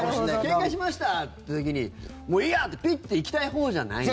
けんかしましたって時にもういいや！ってピッと行きたいほうじゃないんですね。